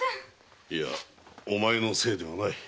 お前のせいではない。